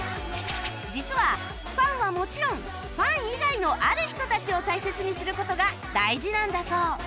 実はファンはもちろんファン以外のある人たちを大切にする事が大事なんだそう